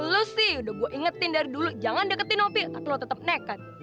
lo sih udah gue ingetin dari dulu jangan deketin opi atau lo tetep naked